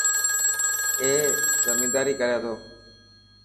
اي زميداري ڪري ٿو.